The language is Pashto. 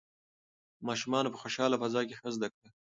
ماشومان په خوشحاله فضا کې ښه زده کوي.